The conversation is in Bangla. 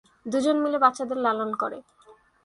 দুজনে মিলে বাচ্চাদের লালন করে।